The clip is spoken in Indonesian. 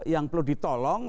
yang perlu ditolong